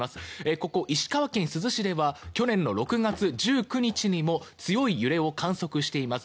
ここ、石川県珠洲市では去年６月１９日にも強い揺れを観測しています。